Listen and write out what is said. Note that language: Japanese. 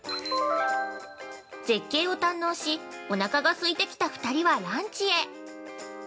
絶景を堪能し、おなかがすいてきた２人はランチへ。